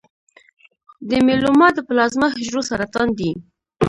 د میلوما د پلازما حجرو سرطان دی.